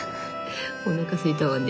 おなかすいたわね。